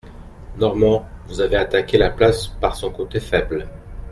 Normand, vous avez attaqué la place par son côté faible.